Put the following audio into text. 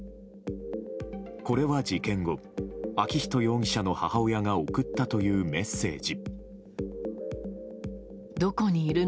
これは事件後昭仁容疑者の母親が送ったというメッセージ。